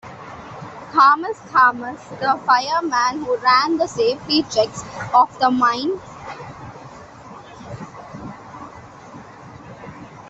Thomas Thomas, the fireman who ran the safety checks of the mine.